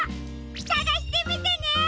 さがしてみてね！